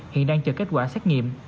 hiện đang chờ kết quả xét nghiệm